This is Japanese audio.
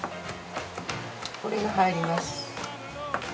これが入ります。